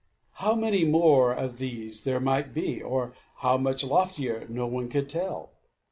How many more of these there might be, or how much loftier, no one could tell.